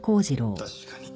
確かに。